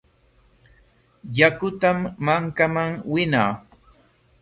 Yakutam mankaman winaa.